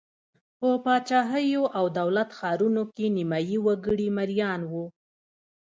په پاچاهیو او دولت ښارونو کې نیمايي وګړي مریان وو.